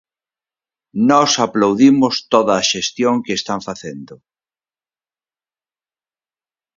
Nós aplaudimos toda a xestión que están facendo.